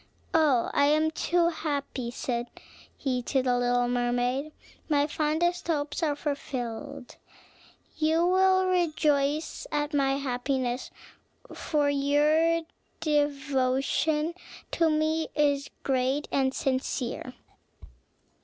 "Oh, I am too happy," said he to the little mermaid; "my fondest hopes are all fulfilled. You will rejoice at my happiness; for your devotion to me is great and sincere."